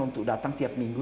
untuk datang tiap minggu